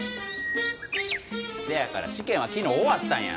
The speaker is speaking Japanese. せやから試験は昨日終わったんや。